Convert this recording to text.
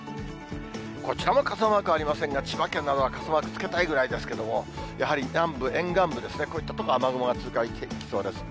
こちらも傘マークありませんが、千葉県などは傘マークつけたいくらいですけれども、やはり南部、沿岸部ですね、こういった所、雨雲が通過していきそうです。